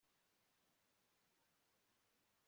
gatera cyangwa izindi ndwara zikomeye